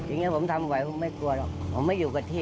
ลูกลุงก็ให้กำลังใจผมอยากได้ขายขนม